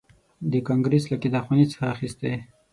د کانګریس له کتابخانې څخه اخیستی.